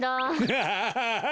ハハハハ。